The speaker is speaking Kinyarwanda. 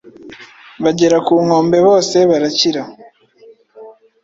bagera ku nkombe, bose barakira.”